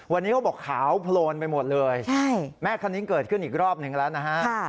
วันนี้เขาบอกขาวโพลนไปหมดเลยแม่คันนี้เกิดขึ้นอีกรอบหนึ่งแล้วนะฮะ